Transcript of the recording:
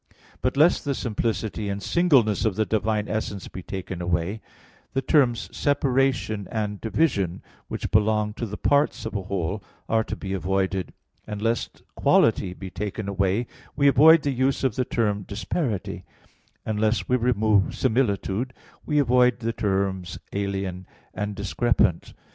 But lest the simplicity and singleness of the divine essence be taken away, the terms "separation" and "division," which belong to the parts of a whole, are to be avoided: and lest quality be taken away, we avoid the use of the term "disparity": and lest we remove similitude, we avoid the terms "alien" and "discrepant."